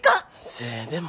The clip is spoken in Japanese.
せえでも。